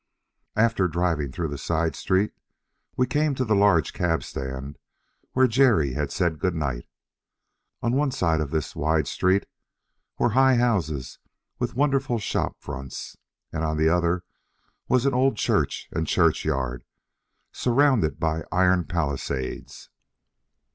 After driving through the side street we came to the large cabstand where Jerry had said "Good night." On one side of this wide street were high houses with wonderful shop fronts, and on the other was an old church and churchyard, surrounded by iron palisades.